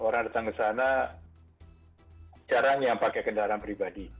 orang datang ke sana jarang yang pakai kendaraan pribadi